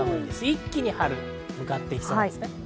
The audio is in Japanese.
一気に春へ向かっていきそうです。